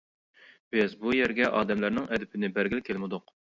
بىز بۇ يەرگە ئادەملەرنىڭ ئەدىپىنى بەرگىلى كەلمىدۇق.